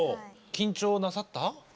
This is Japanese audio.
緊張なさった？